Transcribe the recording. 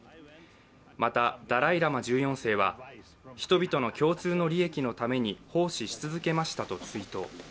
また、ダライ・ラマ１４世は人々の共通の利益のために奉仕し続けましたと追悼。